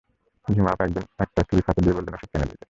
ঝুমা আপা একদিন একটা স্লিপ হাতে দিয়ে বললেন, ওষুধটা এনে দিতে।